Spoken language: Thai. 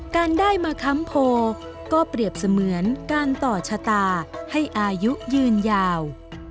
การได้มาค้ำโพก็เปรียบเสมือนการต่อชะตาให้อายุยืนยาว